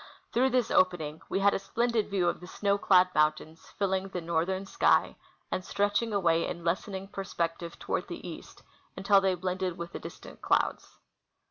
Through this opening we had a splendid view of the snow clad mountains filling the northern sky and stretching away in lessening perspective foAvard the east until they l>lended Avith the distant clouds.